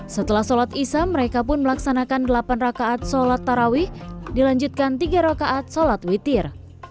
setelah sholat isam mereka pun melaksanakan delapan rakaat sholat tarawih dilanjutkan tiga rakaat sholat witir